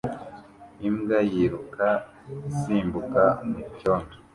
Imbwa yiruka isimbuka mucyondo